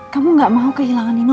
kamu gak mau kehilangan nino